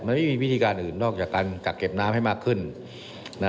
มันไม่มีวิธีการอื่นนอกจากการกักเก็บน้ำให้มากขึ้นนะ